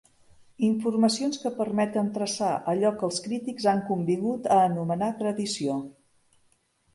Informacions que permeten traçar allò que els crítics han convingut a anomenar tradició.